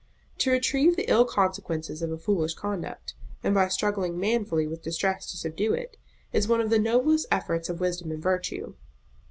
To retrieve the ill consequences of a foolish conduct, and by struggling manfully with distress to subdue it, is one of the noblest efforts of wisdom and virtue.